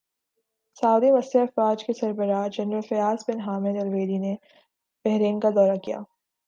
سعودی مسلح افواج کے سربراہ general Fayyaz bin Hamid Alruwaili نے بحرین کا دورہ کیا